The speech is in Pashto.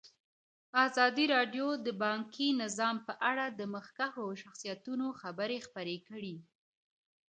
ازادي راډیو د بانکي نظام په اړه د مخکښو شخصیتونو خبرې خپرې کړي.